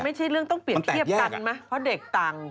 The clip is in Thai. มันไม่ใช่เรื่องต้องเปลี่ยนเทียบกันไหมพอเด็กต่าง